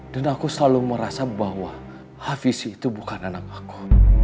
dan aku selalu merasa bahwa afis itu bukan anak aku